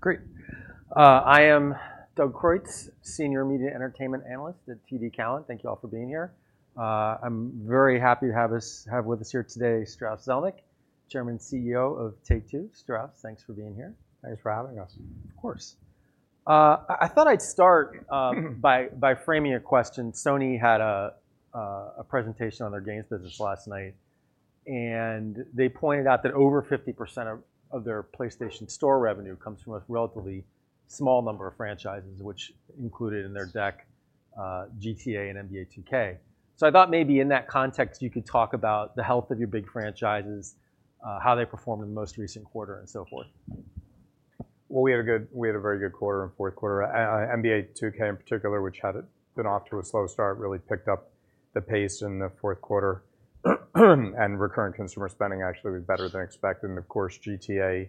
Great. I am Doug Creutz, Senior Media Entertainment Analyst at TD Cowen. Thank you all for being here. I'm very happy to have us have with us here today, Strauss Zelnick, Chairman and CEO of Take-Two. Strauss, thanks for being here. Thanks for having us. Of course. I thought I'd start by framing a question. Sony had a presentation on their games business last night, and they pointed out that over 50% of their PlayStation Store revenue comes from a relatively small number of franchises, which included in their deck, GTA and NBA 2K. So I thought maybe in that context, you could talk about the health of your big franchises, how they performed in the most recent quarter and so forth. Well, we had a very good quarter and fourth quarter. NBA 2K in particular, which had been off to a slow start, really picked up the pace in the fourth quarter, and recurrent consumer spending actually was better than expected. And of course, GTA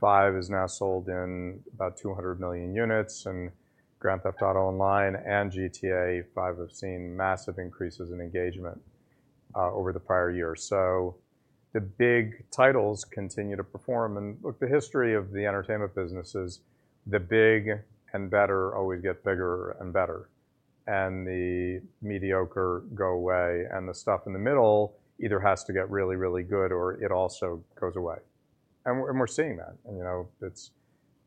5 is now sold in about 200 million units, and Grand Theft Auto Online and GTA 5 have seen massive increases in engagement over the prior year. So the big titles continue to perform. And look, the history of the entertainment business is the big and better always get bigger and better, and the mediocre go away. And the stuff in the middle either has to get really, really good or it also goes away. And we're seeing that. You know,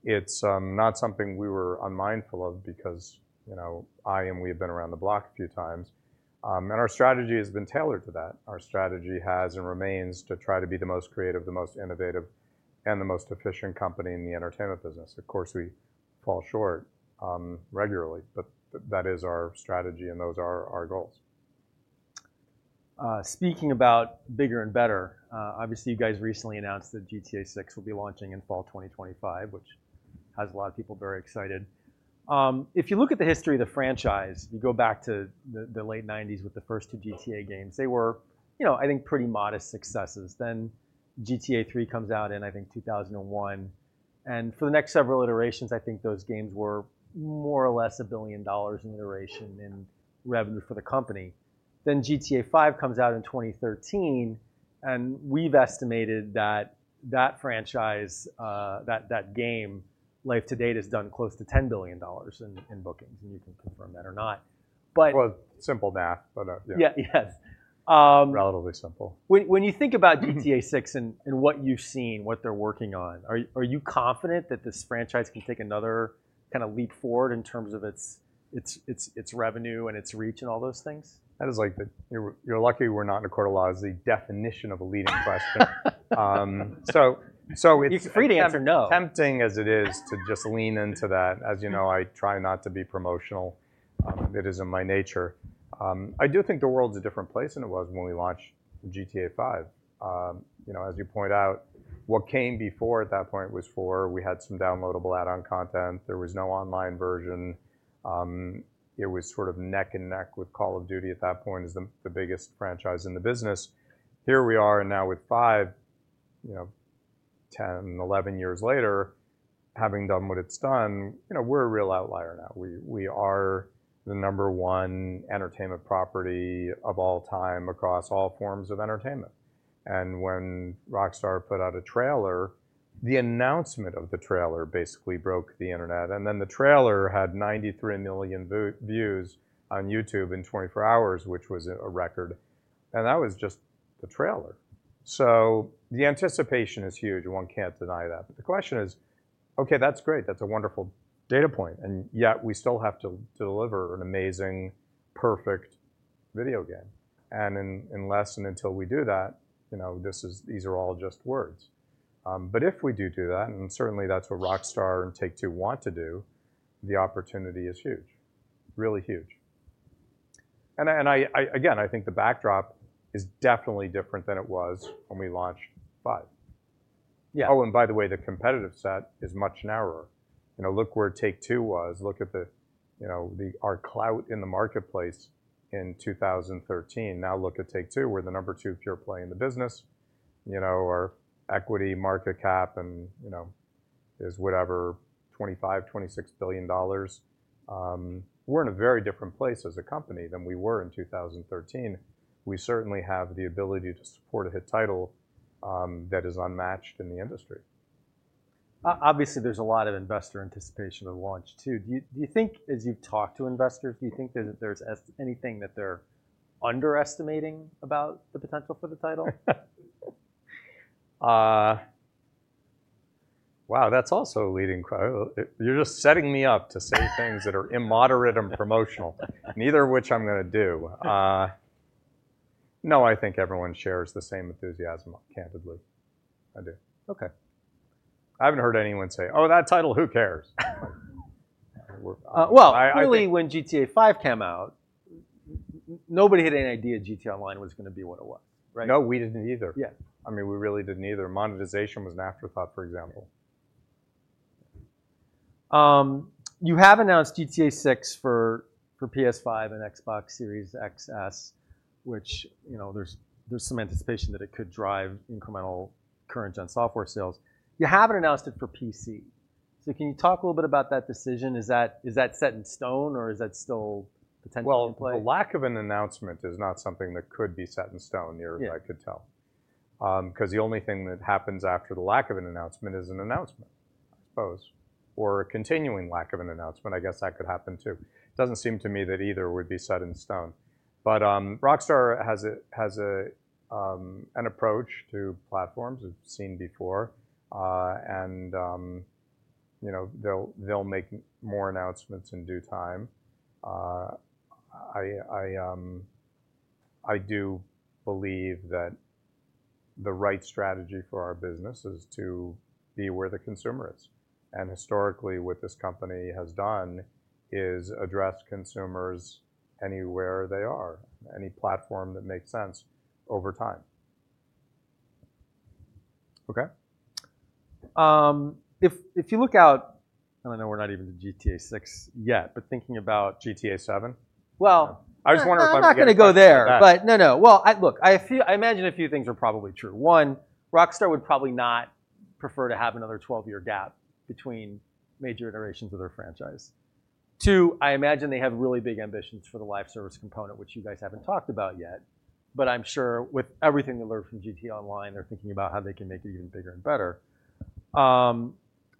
it's not something we were unmindful of because, you know, I and we have been around the block a few times. Our strategy has been tailored for that. Our strategy has and remains to try to be the most creative, the most innovative, and the most efficient company in the entertainment business. Of course, we fall short regularly, but that is our strategy and those are our goals. Speaking about bigger and better, obviously you guys recently announced that GTA 6 will be launching in fall 2025, which has a lot of people very excited. If you look at the history of the franchise, you go back to the late 1990s with the first two GTA games, they were, you know, I think pretty modest successes. Then GTA 3 comes out in, I think, 2001. And for the next several iterations, I think those games were more or less $1 billion in iteration in revenue for the company. Then GTA 5 comes out in 2013, and we've estimated that that franchise, that that game life to date has done close to $10 billion in bookings. And you can confirm that or not. But. Well, simple math. Yeah. Relatively simple. When you think about GTA 6 and what you've seen, what they're working on, are you confident that this franchise can take another kind of leap forward in terms of its revenue and its reach and all those things? That is like the, you're lucky we're not in a court of law'sdefinition of a leading question. So, it's. It's free to answer no. Tempting as it is to just lean into that. As you know, I try not to be promotional. It is in my nature. I do think the world's a different place than it was when we launched GTA 5. You know, as you point out, what came before at that point was four. We had some downloadable add-on content. There was no online version. It was sort of neck and neck with Call of Duty at that point as the biggest franchise in the business. Here we are and now with five, you know, 10, 11 years later, having done what it's done, you know, we're a real outlier now. We, we are the number one entertainment property of all time across all forms of entertainment. And when Rockstar put out a trailer, the announcement of the trailer basically broke the internet. And then the trailer had 93 million views on YouTube in 24 hours, which was a record. And that was just the trailer. So the anticipation is huge. One can't deny that. But the question is, okay, that's great. That's a wonderful data point. And yet we still have to deliver an amazing, perfect video game. And unless and until we do that, you know, this is these are all just words. But if we do do that, and certainly that's what Rockstar and Take-Two want to do, the opportunity is huge, really huge. And I, again, I think the backdrop is definitely different than it was when we launched five. Yeah. Oh, and by the way, the competitive set is much narrower. You know, look where Take-Two was. Look at the, you know, the our clout in the marketplace in 2013. Now look at Take-Two, we're the number two pure play in the business, you know, our equity market cap and, you know, is whatever $25-26 billion. We're in a very different place as a company than we were in 2013. We certainly have the ability to support a hit title, that is unmatched in the industry. Obviously, there's a lot of investor anticipation of launch too. Do you think as you talk to investors, do you think that there's anything that they're underestimating about the potential for the title? Wow, that's also a leading question. You're just setting me up to say things that are immoderate and promotional, neither of which I'm going to do. No, I think everyone shares the same enthusiasm, candidly. I do. Okay. I haven't heard anyone say, "Oh, that title, who cares? Well, really when GTA V came out, nobody had any idea GTA Online was going to be what it was, right? No, we didn't either. Yes. I mean, we really didn't either. Monetization was an afterthought, for example. You have announced GTA 6 for PS5 and Xbox Series X|S, which, you know, there's some anticipation that it could drive incremental current gen software sales. You haven't announced it for PC. So can you talk a little bit about that decision? Is that set in stone or is that still potentially in play? Well, the lack of an announcement is not something that could be set in stone near as I could tell. Because the only thing that happens after the lack of an announcement is an announcement, I suppose, or a continuing lack of an announcement. I guess that could happen too. It doesn't seem to me that either would be set in stone. But Rockstar has an approach to platforms we've seen before. And, you know, they'll make more announcements in due time. I do believe that the right strategy for our business is to be where the consumer is. And historically, what this company has done is address consumers anywhere they are, any platform that makes sense over time. Okay. If you look out and I know we're not even to GTA 6 yet, but thinking about GTA 7. Well, I was wondering if I would be. I'm not going to go there, but no, no. Well, I look, I feel I imagine a few things are probably true. One, Rockstar would probably not prefer to have another 12-year gap between major iterations of their franchise. Two, I imagine they have really big ambitions for the live service component, which you guys haven't talked about yet, but I'm sure with everything they learned from GTA Online, they're thinking about how they can make it even bigger and better.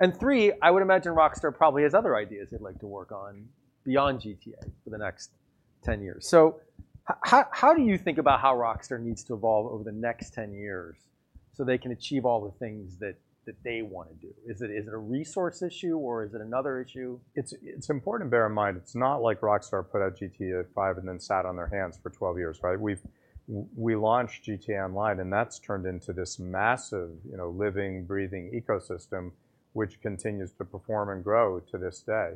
And three, I would imagine Rockstar probably has other ideas they'd like to work on beyond GTA for the next 10 years. So how do you think about how Rockstar needs to evolve over the next 10 years so they can achieve all the things that that they want to do? Is it is it a resource issue or is it another issue? It's important to bear in mind it's not like Rockstar put out GTA V and then sat on their hands for 12 years, right? We launched GTA Online and that's turned into this massive, you know, living, breathing ecosystem, which continues to perform and grow to this day.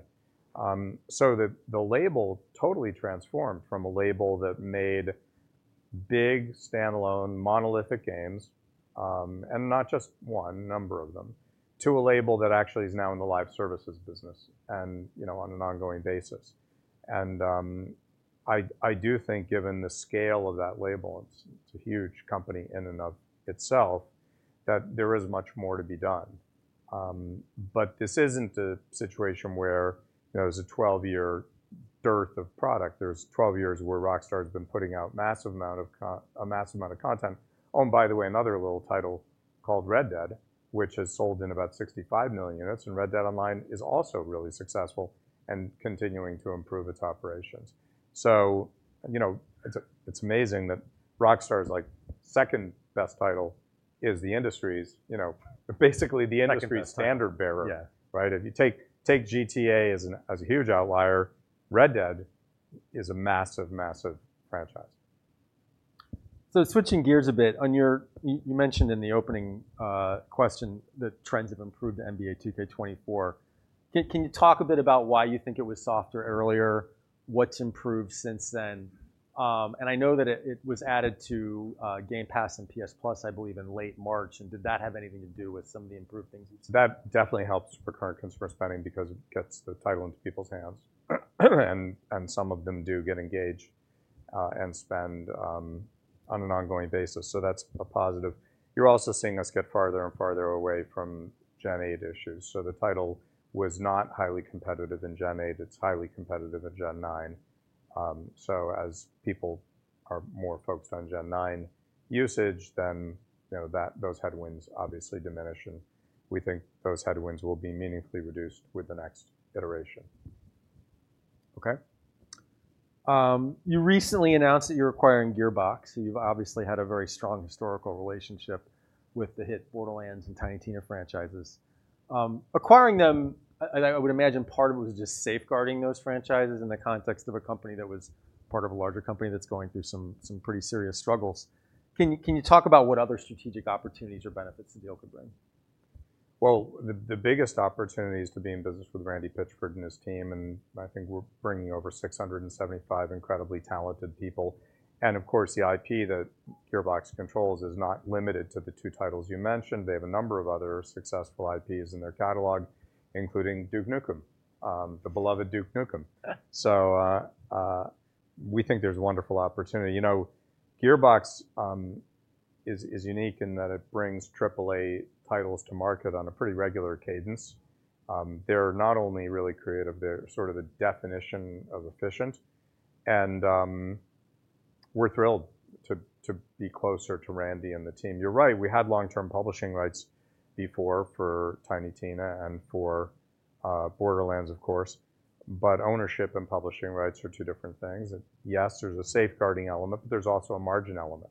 So the label totally transformed from a label that made big, standalone, monolithic games, and not just one, a number of them, to a label that actually is now in the live services business and, you know, on an ongoing basis. And, I do think given the scale of that label, it's a huge company in and of itself that there is much more to be done. But this isn't a situation where, you know, there's a 12-year dearth of product. There's 12 years where Rockstar has been putting out a massive amount of content. Oh, and by the way, another little title called Red Dead, which has sold in about 65 million units. And Red Dead Online is also really successful and continuing to improve its operations. So, you know, it's amazing that Rockstar's like second best title is the industry's, you know, basically the industry's standard bearer. Right. If you take take GTA as a huge outlier, Red Dead is a massive, massive franchise. Switching gears a bit, you mentioned in the opening question the trends have improved to NBA 2K24. Can you talk a bit about why you think it was softer earlier? What's improved since then? And I know that it was added to Game Pass and PS Plus, I believe, in late March. And did that have anything to do with some of the improved things? That definitely helps recurrent consumer spending because it gets the title into people's hands. And some of them do get engaged, and spend, on an ongoing basis. So that's a positive. You're also seeing us get farther and farther away from Gen 8 issues. So the title was not highly competitive in Gen 8. It's highly competitive in Gen 9. So as people are more focused on Gen 9 usage, then, you know, that those headwinds obviously diminish. And we think those headwinds will be meaningfully reduced with the next iteration. Okay. You recently announced that you're acquiring Gearbox. So you've obviously had a very strong historical relationship with the hit Borderlands and Tiny Tina franchises. Acquiring them, I would imagine part of it was just safeguarding those franchises in the context of a company that was part of a larger company that's going through some pretty serious struggles. Can you talk about what other strategic opportunities or benefits the deal could bring? Well, the biggest opportunity is to be in business with Randy Pitchford and his team. I think we're bringing over 675 incredibly talented people. And of course, the IP that Gearbox controls is not limited to the two titles you mentioned. They have a number of other successful IPs in their catalog, including Duke Nukem, the beloved Duke Nukem. So, we think there's a wonderful opportunity. You know, Gearbox is unique in that it brings AAA titles to market on a pretty regular cadence. They're not only really creative, they're sort of a definition of efficient. We're thrilled to be closer to Randy and the team. You're right. We had long-term publishing rights before for Tiny Tina and for Borderlands, of course, but ownership and publishing rights are two different things. Yes, there's a safeguarding element, but there's also a margin element.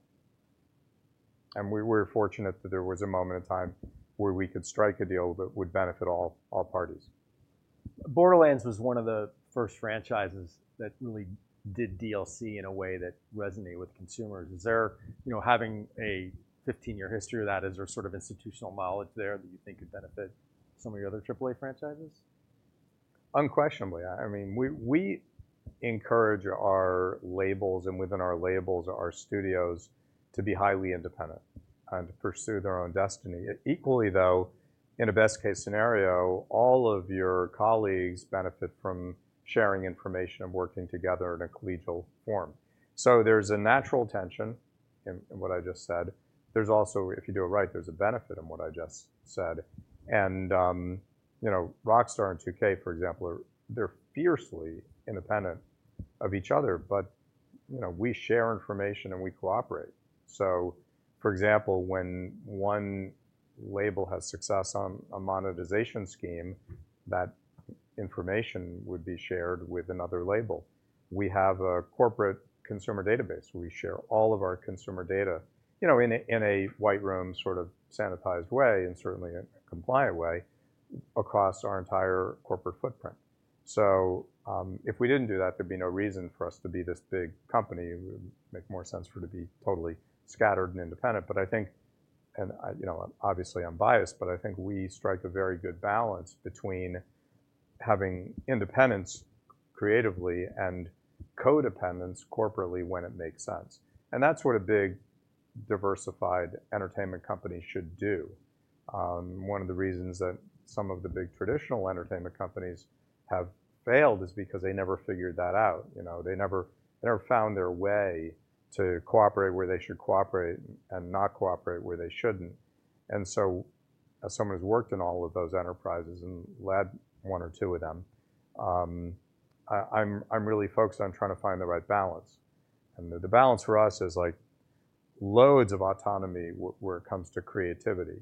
We were fortunate that there was a moment in time where we could strike a deal that would benefit all all parties. Borderlands was one of the first franchises that really did DLC in a way that resonated with consumers. Is there, you know, having a 15-year history of that, is there sort of institutional knowledge there that you think could benefit some of the other AAA franchises? Unquestionably. I mean, we encourage our labels and within our labels, our studios to be highly independent and to pursue their own destiny. Equally, though, in a best case scenario, all of your colleagues benefit from sharing information and working together in a collegial form. So there's a natural tension in what I just said. There's also, if you do it right, there's a benefit in what I just said. And, you know, Rockstar and 2K, for example, they're fiercely independent of each other, but, you know, we share information and we cooperate. So, for example, when one label has success on a monetization scheme, that information would be shared with another label. We have a corporate consumer database. We share all of our consumer data, you know, in a white room sort of sanitized way and certainly a compliant way across our entire corporate footprint. So, if we didn't do that, there'd be no reason for us to be this big company. It would make more sense for it to be totally scattered and independent. But I think, and I, you know, obviously I'm biased, but I think we strike a very good balance between having independence creatively and co-dependence corporately when it makes sense. And that's what a big diversified entertainment company should do. One of the reasons that some of the big traditional entertainment companies have failed is because they never figured that out. You know, they never found their way to cooperate where they should cooperate and not cooperate where they shouldn't. And so, as someone who's worked in all of those enterprises and led one or two of them, I'm really focused on trying to find the right balance. And the balance for us is like loads of autonomy where it comes to creativity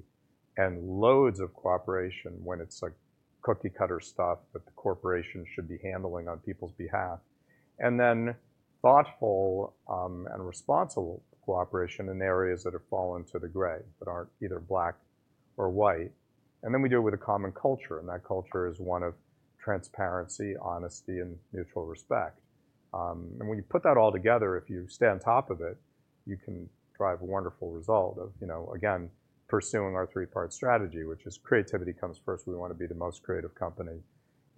and loads of cooperation when it's like cookie cutter stuff that the corporation should be handling on people's behalf. And then thoughtful and responsible cooperation in areas that have fallen to the gray that aren't either black or white. And then we do it with a common culture. And that culture is one of transparency, honesty, and mutual respect. And when you put that all together, if you stay on top of it, you can drive a wonderful result of, you know, again, pursuing our three-part strategy, which is creativity comes first. We want to be the most creative company.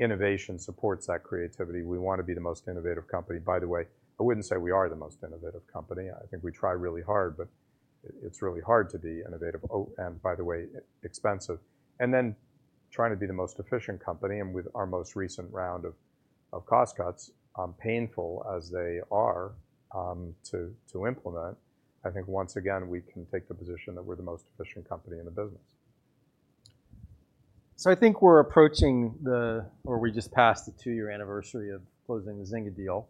Innovation supports that creativity. We want to be the most innovative company. By the way, I wouldn't say we are the most innovative company. I think we try really hard, but it's really hard to be innovative. Oh, and by the way, expensive. And then trying to be the most efficient company and with our most recent round of cost cuts, painful as they are, to implement. I think once again, we can take the position that we're the most efficient company in the business. So I think we're approaching the or we just passed the 2-year anniversary of closing the Zynga deal.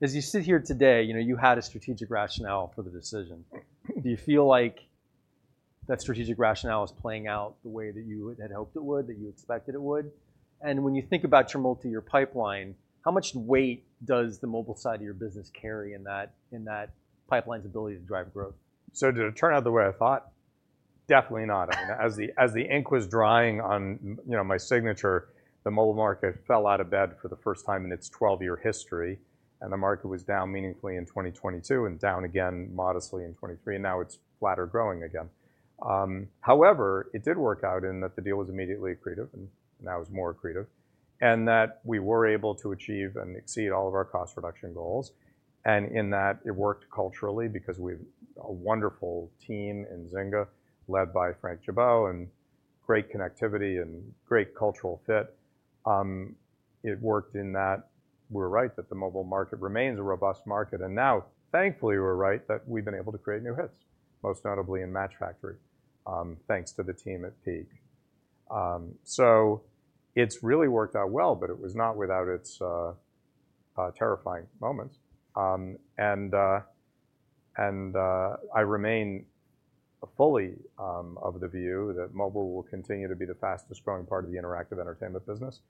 As you sit here today, you know, you had a strategic rationale for the decision. Do you feel like that strategic rationale is playing out the way that you had hoped it would, that you expected it would? When you think about Take-Two, your pipeline, how much weight does the mobile side of your business carry in that pipeline's ability to drive growth? So did it turn out the way I thought? Definitely not. I mean, as the ink was drying on, you know, my signature, the mobile market fell out of bed for the first time in its 12-year history. And the market was down meaningfully in 2022 and down again modestly in 2023. And now it's flat or growing again. However, it did work out in that the deal was immediately accretive and now it was more accretive and that we were able to achieve and exceed all of our cost reduction goals. And in that, it worked culturally because we've a wonderful team in Zynga led by Frank Gibeau and great connectivity and great cultural fit. It worked in that we were right that the mobile market remains a robust market. And now, thankfully, we're right that we've been able to create new hits, most notably in Match Factory, thanks to the team at Peak. So it's really worked out well, but it was not without its terrifying moments. And I remain fully of the view that mobile will continue to be the fastest growing part of the interactive entertainment business.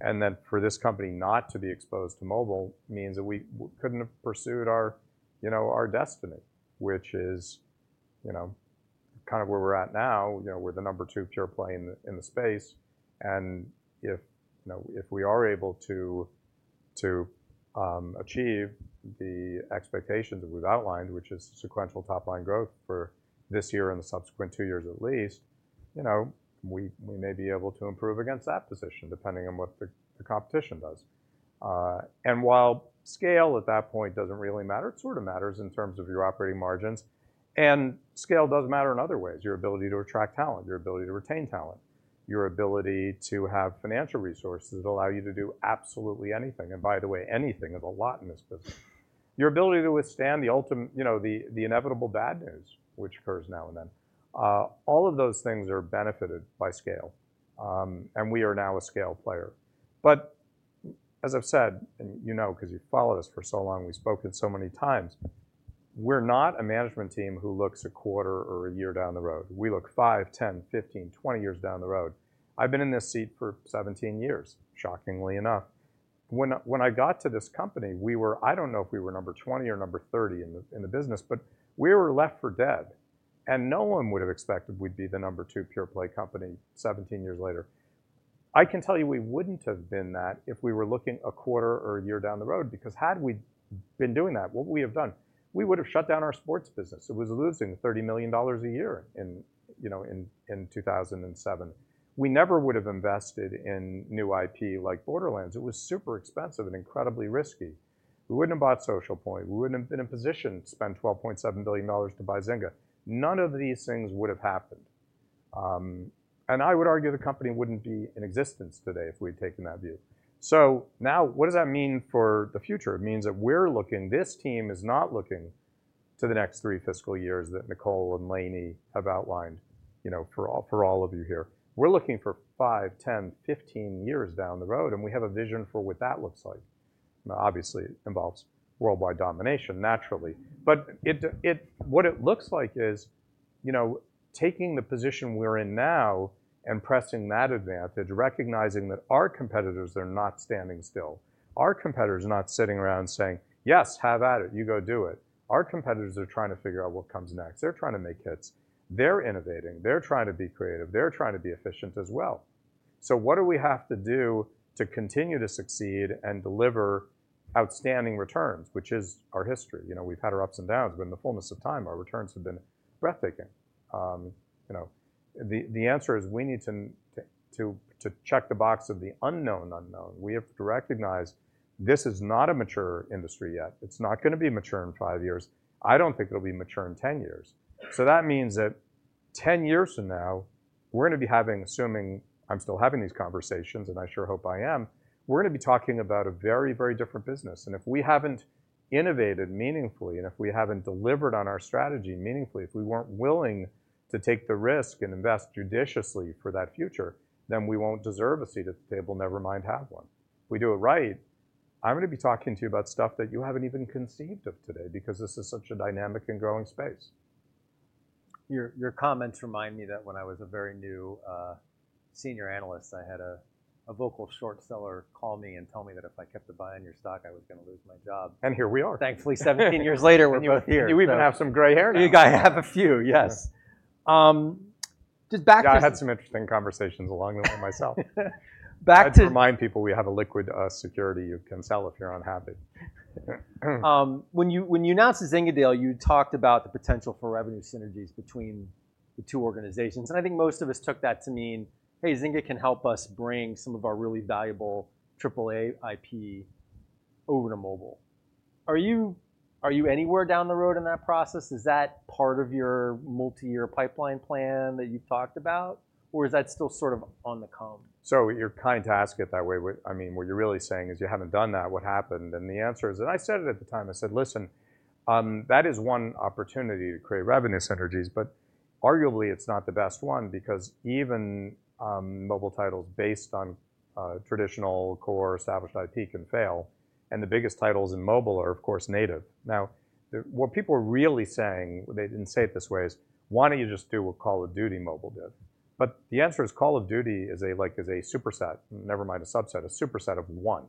And then for this company not to be exposed to mobile means that we couldn't have pursued our, you know, our destiny, which is, you know, kind of where we're at now. You know, we're the number two pure play in the space. And if, you know, if we are able to achieve the expectations that we've outlined, which is sequential top line growth for this year and the subsequent two years at least, you know, we may be able to improve against that position depending on what the competition does. And while scale at that point doesn't really matter, it sort of matters in terms of your operating margins. And scale does matter in other ways. Your ability to attract talent, your ability to retain talent, your ability to have financial resources that allow you to do absolutely anything. And by the way, anything is a lot in this business. Your ability to withstand the ultimate, you know, the inevitable bad news, which occurs now and then, all of those things are benefited by scale. And we are now a scale player. But as I've said, and you know, because you followed us for so long, we've spoken so many times. We're not a management team who looks a quarter or a year down the road. We look 5, 10, 15, 20 years down the road. I've been in this seat for 17 years, shockingly enough. When I got to this company, we were, I don't know if we were number 20 or number 30 in the business, but we were left for dead. And no one would have expected we'd be the number 2 pure play company 17 years later. I can tell you we wouldn't have been that if we were looking a quarter or a year down the road, because had we been doing that, what we have done, we would have shut down our sports business. It was losing $30 million a year, you know, in 2007. We never would have invested in new IP like Borderlands. It was super expensive and incredibly risky. We wouldn't have bought Socialpoint. We wouldn't have been in a position to spend $12.7 billion to buy Zynga. None of these things would have happened. I would argue the company wouldn't be in existence today if we had taken that view. So now what does that mean for the future? It means that we're looking; this team is not looking to the next three fiscal years that Nicole and Lainie have outlined, you know, for all of you here. We're looking for five, 10, 15 years down the road. And we have a vision for what that looks like. Now, obviously, it involves worldwide domination, naturally. But what it looks like is, you know, taking the position we're in now and pressing that advantage, recognizing that our competitors, they're not standing still. Our competitors are not sitting around saying, yes, have at it. You go do it. Our competitors are trying to figure out what comes next. They're trying to make hits. They're innovating. They're trying to be creative. They're trying to be efficient as well. So what do we have to do to continue to succeed and deliver outstanding returns, which is our history? You know, we've had our ups and downs. But in the fullness of time, our returns have been breathtaking. You know, the answer is we need to check the box of the unknown unknown. We have to recognize this is not a mature industry yet. It's not going to be mature in five years. I don't think it'll be mature in 10 years. So that means that 10 years from now, we're going to be having, assuming I'm still having these conversations, and I sure hope I am, we're going to be talking about a very, very different business. And if we haven't innovated meaningfully, and if we haven't delivered on our strategy meaningfully, if we weren't willing to take the risk and invest judiciously for that future, then we won't deserve a seat at the table, never mind have one. If we do it right, I'm going to be talking to you about stuff that you haven't even conceived of today because this is such a dynamic and growing space. Your comments remind me that when I was a very new, senior analyst, I had a vocal short seller call me and tell me that if I kept a buy in your stock, I was going to lose my job. Here we are. Thankfully, 17 years later when you were here. You even have some gray hair now. You've got to have a few. Yes. Just back to. I had some interesting conversations along them with myself. Back to. I'd remind people we have a liquid security you can sell if you're unhappy. When you announced the Zynga deal, you talked about the potential for revenue synergies between the two organizations. I think most of us took that to mean, hey, Zynga can help us bring some of our really valuable AAA IP over to mobile. Are you anywhere down the road in that process? Is that part of your multi-year pipeline plan that you've talked about, or is that still sort of on the come? So you're kind to ask it that way. I mean, what you're really saying is you haven't done that. What happened? And the answer is, and I said it at the time, I said, listen, that is one opportunity to create revenue synergies, but arguably it's not the best one because even mobile titles based on traditional core established IP can fail. And the biggest titles in mobile are, of course, native. Now, what people are really saying, they didn't say it this way, is why don't you just do what Call of Duty Mobile did? But the answer is Call of Duty is a, like, is a superset, never mind a subset, a superset of one.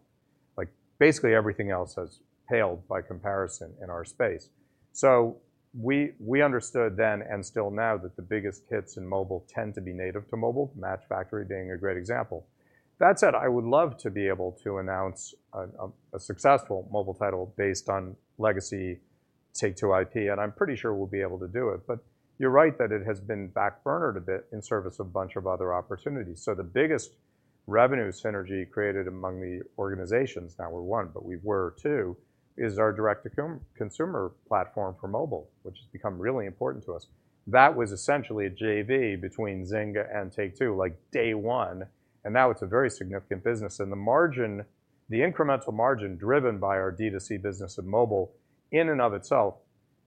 Like, basically everything else has paled by comparison in our space. So we understood then and still now that the biggest hits in mobile tend to be native to mobile, Match Factory being a great example. That said, I would love to be able to announce a successful mobile title based on legacy Take-Two IP. And I'm pretty sure we'll be able to do it. But you're right that it has been backburned a bit in service of a bunch of other opportunities. So the biggest revenue synergy created among the organizations, now we're one, but we were two, is our direct-to-consumer platform for mobile, which has become really important to us. That was essentially a JV between Zynga and Take-Two, like day one. And now it's a very significant business. And the margin, the incremental margin driven by our D2C business of mobile in and of itself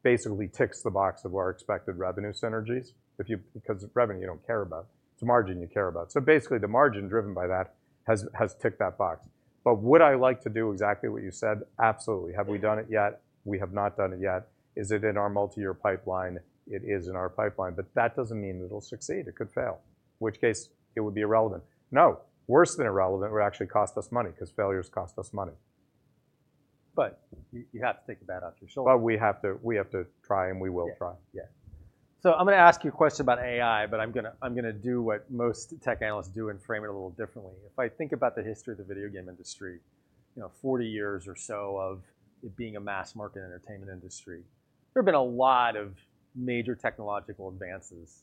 basically ticks the box of our expected revenue synergies. If you, because revenue you don't care about. It's a margin you care about. So basically the margin driven by that has ticked that box. But would I like to do exactly what you said? Absolutely. Have we done it yet? We have not done it yet. Is it in our multi-year pipeline? It is in our pipeline. But that doesn't mean it'll succeed. It could fail, which case it would be irrelevant. No, worse than irrelevant would actually cost us money because failures cost us money. But you have to take the bat off your shoulder. But we have to try, and we will try. Yeah. So I'm going to ask you a question about AI, but I'm going to do what most tech analysts do and frame it a little differently. If I think about the history of the video game industry, you know, 40 years or so of it being a mass market entertainment industry, there have been a lot of major technological advances.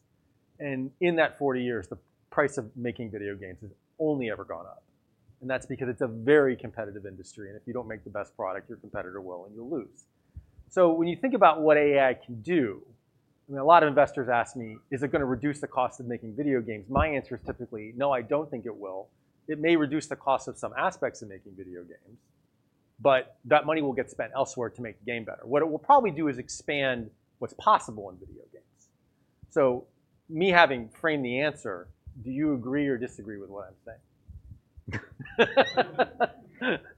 And in that 40 years, the price of making video games has only ever gone up. And that's because it's a very competitive industry. And if you don't make the best product, your competitor will and you'll lose. So when you think about what AI can do, I mean, a lot of investors ask me, is it going to reduce the cost of making video games? My answer is typically, no, I don't think it will. It may reduce the cost of some aspects of making video games, but that money will get spent elsewhere to make the game better. What it will probably do is expand what's possible in video games. So me having framed the answer, do you agree or disagree with what I'm saying?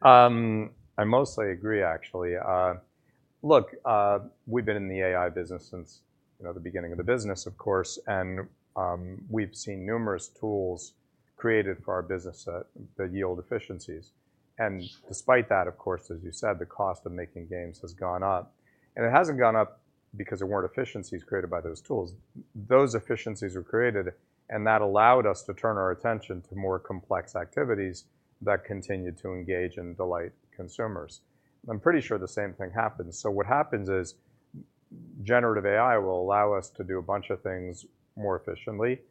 I mostly agree, actually. Look, we've been in the AI business since, you know, the beginning of the business, of course. We've seen numerous tools created for our business that yield efficiencies. Despite that, of course, as you said, the cost of making games has gone up. It hasn't gone up because there weren't efficiencies created by those tools. Those efficiencies were created and that allowed us to turn our attention to more complex activities that continue to engage and delight consumers. I'm pretty sure the same thing happens. What happens is generative AI will allow us to do a bunch of things more efficiently.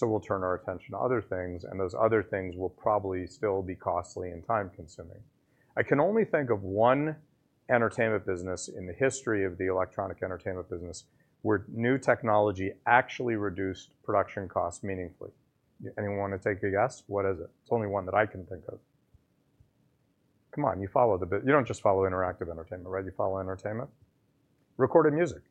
We'll turn our attention to other things. Those other things will probably still be costly and time-consuming. I can only think of one entertainment business in the history of the electronic entertainment business where new technology actually reduced production costs meaningfully. Anyone want to take a guess? What is it? It's only one that I can think of. Come on, you follow the biz. You don't just follow interactive entertainment, right? You follow entertainment. Recorded music.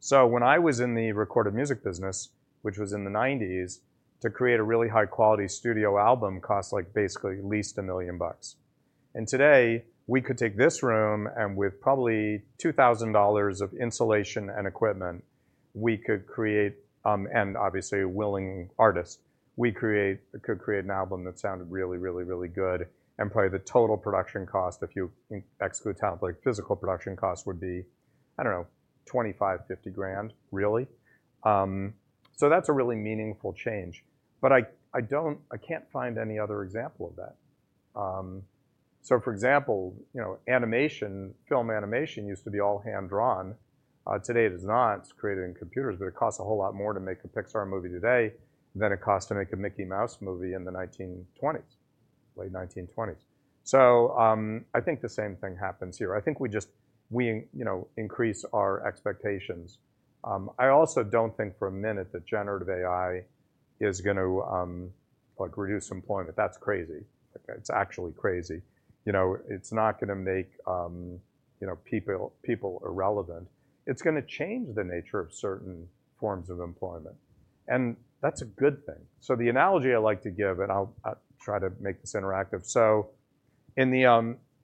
So when I was in the recorded music business, which was in the 1990s, to create a really high quality studio album costs like basically at least $1 million. And today we could take this room and with probably $2,000 of insulation and equipment, we could create, and obviously a willing artist, we create, could create an album that sounded really, really, really good. And probably the total production cost, if you exclude how much physical production costs would be, I don't know, $25,000-$50,000, really. So that's a really meaningful change. But I don't, I can't find any other example of that. So for example, you know, animation, film animation used to be all hand-drawn. Today it is not. It's created in computers, but it costs a whole lot more to make a Pixar movie today than it costs to make a Mickey Mouse movie in the 1920s, late 1920s. So, I think the same thing happens here. I also don't think for a minute that generative AI is going to, like reduce employment. That's crazy. It's actually crazy. You know, it's not going to make, you know, people irrelevant. It's going to change the nature of certain forms of employment. And that's a good thing. So the analogy I like to give, and I'll try to make this interactive. So,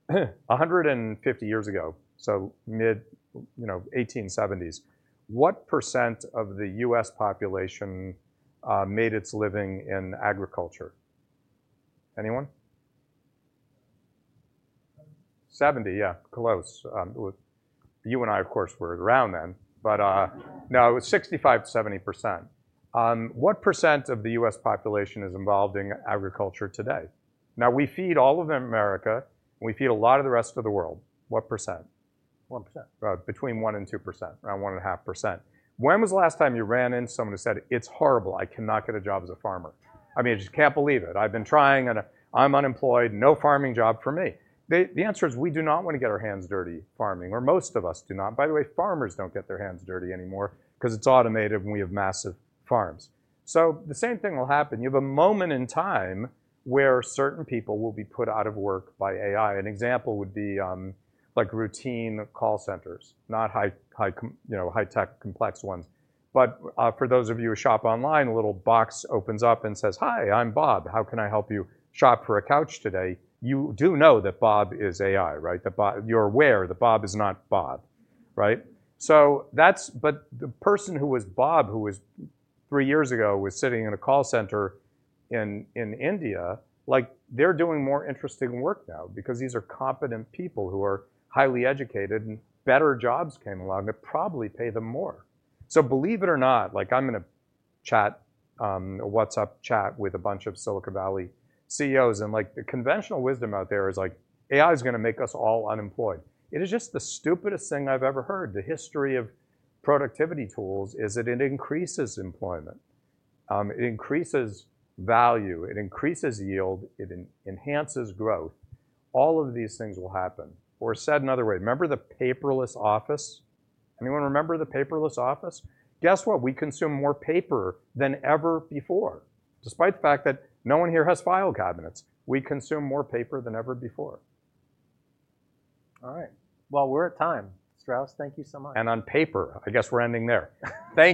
150 years ago, so mid, you know, 1870s, what percent of the U.S. population made its living in agriculture? Anyone? 70, yeah, close. You and I, of course, were around then, but no, it was 65%-70%. What percent of the U.S. population is involved in agriculture today? Now, we feed all of America. We feed a lot of the rest of the world. What percent? 1%. Between 1%-2%, around 1.5%. When was the last time you ran into someone who said, "It's horrible, I cannot get a job as a farmer?" I mean, I just can't believe it. I've been trying and I'm unemployed, no farming job for me. The answer is we do not want to get our hands dirty farming, or most of us do not. By the way, farmers don't get their hands dirty anymore because it's automated and we have massive farms. So the same thing will happen. You have a moment in time where certain people will be put out of work by AI. An example would be, like, routine call centers, not high, high, you know, high-tech, complex ones. But, for those of you who shop online, a little box opens up and says, "Hi, I'm Bob. How can I help you shop for a couch today? You do know that Bob is AI, right? That Bob, you're aware that Bob is not Bob, right? So that's, but the person who was Bob, who was three years ago, was sitting in a call center in India, like they're doing more interesting work now because these are competent people who are highly educated and better jobs came along that probably pay them more. So believe it or not, like I'm in a chat, a WhatsApp chat with a bunch of Silicon Valley CEOs and like the conventional wisdom out there is like AI is going to make us all unemployed. It is just the stupidest thing I've ever heard. The history of productivity tools is that it increases employment. It increases value. It increases yield. It enhances growth. All of these things will happen. Or said another way, remember the paperless office? Anyone remember the paperless office? Guess what? We consume more paper than ever before. Despite the fact that no one here has file cabinets, we consume more paper than ever before. All right. Well, we're at time. Strauss, thank you so much. On paper, I guess we're ending there. Thanks.